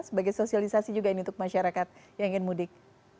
sebagai sosialisasi juga ini untuk masyarakat yang ingin mudik